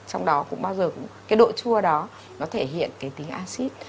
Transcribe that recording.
trong đó cũng bao giờ cũng cái độ chua đó nó thể hiện cái tính acid